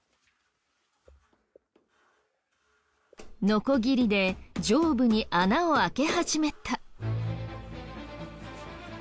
ノコギリで上部に穴を開け始めた。